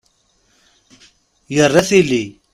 Yerra tili.